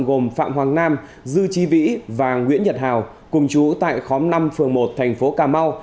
gồm phạm hoàng nam dư trí vĩ và nguyễn nhật hào cùng chú tại khóm năm phường một thành phố cà mau